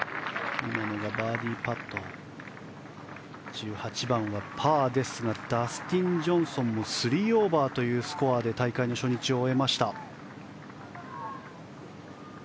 １８番はパーですがダスティン・ジョンソンも３オーバーというスコアで大会の初日を終えました。